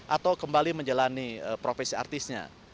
atau kembali menjalani profesi artisnya